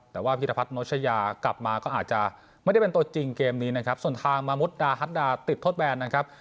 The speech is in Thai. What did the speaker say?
แต่ว่าพิรพัฒนโชชยากลับมาก็อาจจะไม่ได้เป็นตัวจริงเกมนี้นะครับส่วนทางมามุดดาฮัตดาติดโทษแบนนะครับ